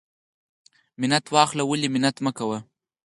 منت واخله ولی منت مکوه.